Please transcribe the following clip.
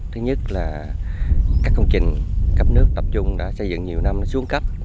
thứ nhất là các công trình cấp nước tập trung đã xây dựng nhiều năm xuống cấp